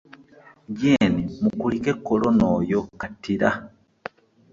Jane mukulike Kolona oyo kattira.